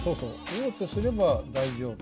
王手すれば大丈夫。